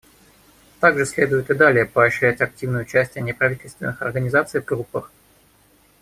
Также следует и далее поощрять активное участие неправительственных организаций в группах.